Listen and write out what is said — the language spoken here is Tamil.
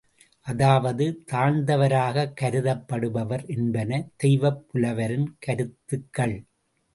அதாவது தாழ்ந்தவராகக் கருதப்படுவர் என்பன தெய்வப் புலவரின் கருத்துகள்!